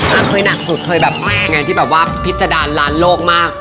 อ่ะเคยหนักสุดเคยแบบมากไงที่แบบว่าพิษดารร้านโลกมาก